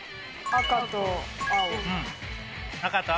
赤と青。